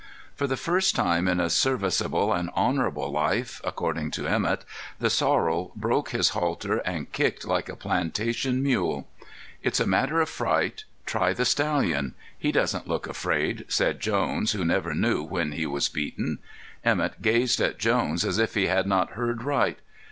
For the first time in a serviceable and honorable life, according to Emett, the sorrel broke his halter and kicked like a plantation mule. "It's a matter of fright. Try the stallion. He doesn't look afraid," said Jones, who never knew when he was beaten. Emett gazed at Jones as if he had not heard right.